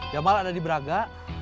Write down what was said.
jamal ada di braga